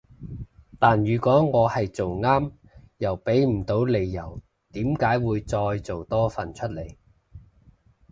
但如果我係做啱又畀唔到理由點解會再做多份出嚟